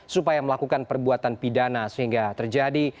supaya melakukan perbuatan pidana sehingga terjadi